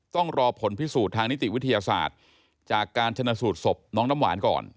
ต้องรอผลพิสูจน์ทางนิติวิทยาศาสตร์จากการชนะสูตรศพน้องน้ำหวานก่อน